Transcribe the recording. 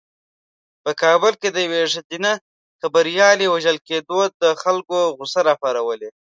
په کابل کې د یوې ښځینه خبریالې وژل کېدو د خلکو غوسه راپارولې ده.